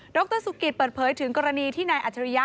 รสุกิตเปิดเผยถึงกรณีที่นายอัจฉริยะ